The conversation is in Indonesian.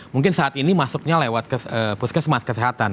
mungkin saat ini masuknya lewat puskesmas kesehatan